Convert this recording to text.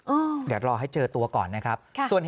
เดี๋ยวรอให้เจอตัวก่อนนะครับ